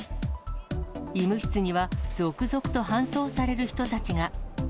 医務室には続々と搬送される人たちが。